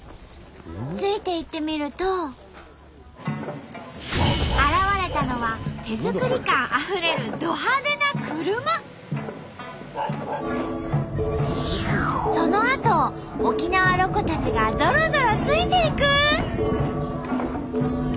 ついていってみると現れたのは手作り感あふれるそのあとを沖縄ロコたちがゾロゾロついていく！